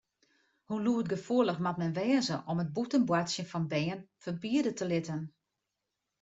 Hoe lûdgefoelich moat men wêze om it bûten boartsjen fan bern ferbiede te litten?